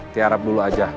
tiarap dulu aja